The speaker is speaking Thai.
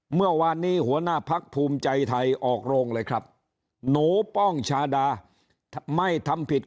เมื่อวานนี้หัวหน้าพักภูมิใจไทยออกโรงเลยครับหนูป้องชาดาไม่ทำผิด